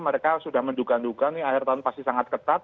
mereka sudah menduga duga nih akhir tahun pasti sangat ketat